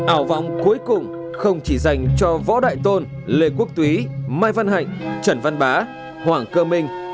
ảo vòng cuối cùng không chỉ dành cho võ đại tôn lê quốc túy mai văn hạnh trần văn bá hoàng cơ minh